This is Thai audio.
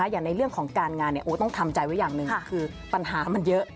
อย่างในเรื่องของการงานต้องทำใจไว้อย่างหนึ่งคือปัญหามันเยอะ